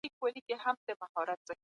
فارابي هم د افلاطون په څېر نظر درلود.